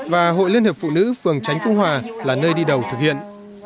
và hội liên hiệp phụ nữ phường tránh phú hòa là nơi đi đầu thực hiện